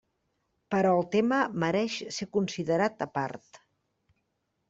Però el tema mereix ser considerat a part.